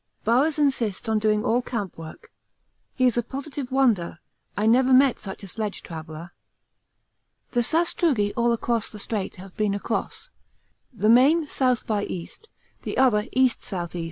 Bowers insists on doing all camp work; he is a positive wonder. I never met such a sledge traveller. The sastrugi all across the strait have been across, the main S. by E. and the other E.S.E.